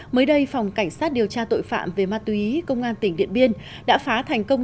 mới đây phòng cảnh sát điều tra tội phạm về ma túy công an tỉnh điện biên đã phá thành công